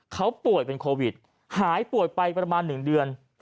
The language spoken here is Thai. เขาป่วยเป็นโควิดหายป่วยไปประมาณ๑เดือน